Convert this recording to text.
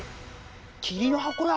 桐の箱だ！